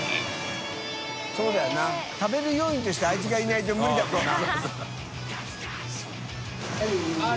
そうだよな食べる要員としてあいつがいないと無理だもんな。